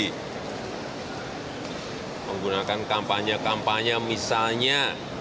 di menggunakan kampanye kampanye misalnya